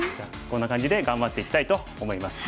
こんな感じで頑張っていきたいと思います。